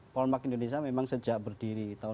polmark indonesia memang sejak berdiri tahun dua ribu